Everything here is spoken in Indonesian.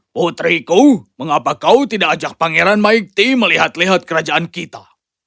putriku mengapa kau tidak ajak pangeran maikti melihat lihat kerajaan kita